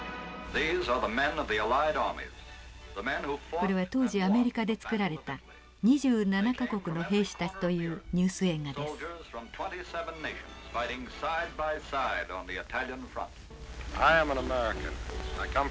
これは当時アメリカで作られた「２７か国の兵士たち」というニュース映画です。